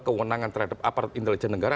kewenangan terhadap aparat intelijen negara